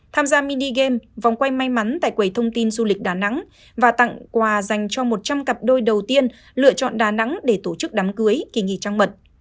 tham gia mini game vòng quay may mắn tại quầy thông tin du lịch đà nẵng và tặng quà dành cho một trăm linh cặp đôi đầu tiên lựa chọn đà nẵng để tổ chức đám cưới kỳ nghỉ trang mật